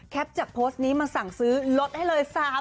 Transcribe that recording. จากโพสต์นี้มาสั่งซื้อลดให้เลย